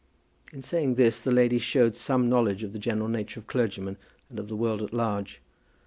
In saying this the lady showed some knowledge of the general nature of clergymen and of the world at large.